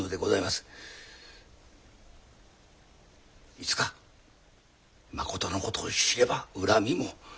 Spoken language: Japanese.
いつかまことのことを知れば恨みも。